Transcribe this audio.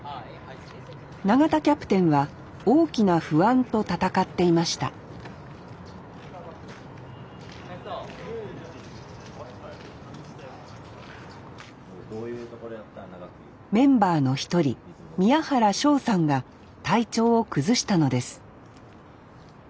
永田キャプテンは大きな不安と闘っていましたメンバーの一人宮原翔さんが体調を崩したのです